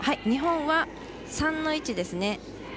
日本は３の位置ですね。